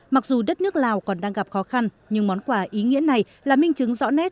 mặc dù đất nước lào còn đang gặp khó khăn nhưng món quà ý nghĩa này là minh chứng rõ nét